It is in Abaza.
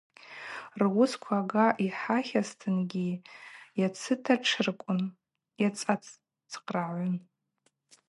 Руысква ага йхӏатлазтынгьи йацыта тшыркӏуан, йацацхърагӏун.